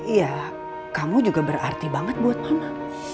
iya kamu juga berarti banget buat mama